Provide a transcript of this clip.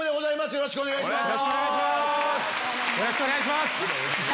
よろしくお願いします！